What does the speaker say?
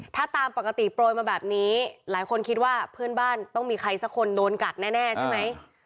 ถ้าตามปกติโปรยมาแบบนี้หลายคนคิดว่าเพื่อนบ้านต้องมีใครสักคนโดนกัดแน่ใช่ไหม